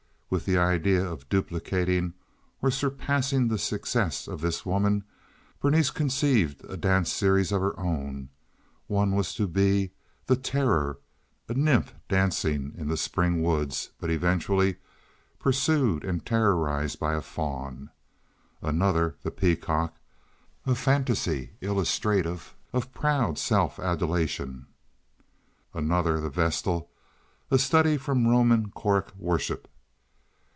With the idea of duplicating or surpassing the success of this woman Berenice conceived a dance series of her own. One was to be "The Terror"—a nymph dancing in the spring woods, but eventually pursued and terrorized by a faun; another, "The Peacock," a fantasy illustrative of proud self adulation; another, "The Vestal," a study from Roman choric worship.